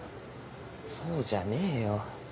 そうじゃねえよ。